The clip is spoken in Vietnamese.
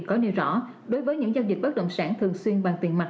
có nêu rõ đối với những giao dịch bất động sản thường xuyên bằng tiền mặt